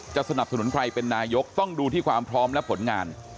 สนับสนุนใครเป็นนายกต้องดูที่ความพร้อมและผลงาน